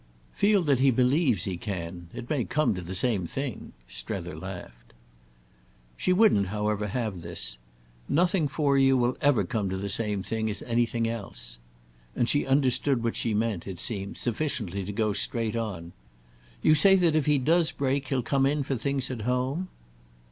"Feel that he believes he can. It may come to the same thing!" Strether laughed. She wouldn't, however, have this. "Nothing for you will ever come to the same thing as anything else." And she understood what she meant, it seemed, sufficiently to go straight on. "You say that if he does break he'll come in for things at home?"